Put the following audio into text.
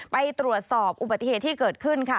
ไปตรวจสอบอุบัติเหตุที่เกิดขึ้นค่ะ